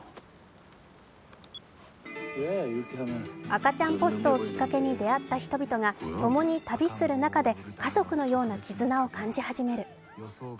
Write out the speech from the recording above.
赤ちゃんポストをきっかけに出会った人々が共に旅する中で家族のような絆を感じ始める。